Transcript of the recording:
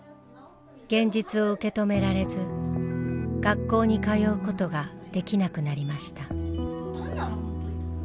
現実を受け止められず学校に通うことができなくなりました。